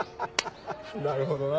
なるほどな。